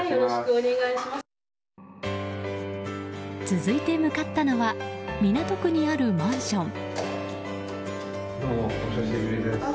続いて向かったのは港区にあるマンション。